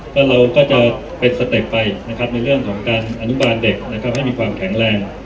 ก็เราก็จะเป็นสเต็ปไปนะครับในเรื่องของการอนุบาลเด็กนะครับให้มีความแข็งแรง